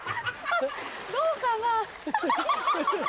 どうかな？